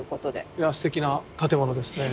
いやすてきな建物ですね。